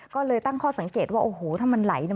ก็เลยตั้งข้อสังเกตว่าโอ้โหถ้ามันไหล